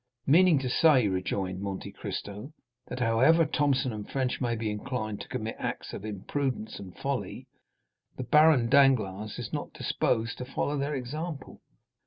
'" "Meaning to say," rejoined Monte Cristo, "that however Thomson & French may be inclined to commit acts of imprudence and folly, the Baron Danglars is not disposed to follow their example."